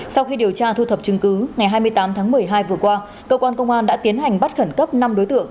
sau khi điều tra thu thập chứng cứ ngày hai mươi tám tháng một mươi hai vừa qua cơ quan công an đã tiến hành bắt khẩn cấp năm đối tượng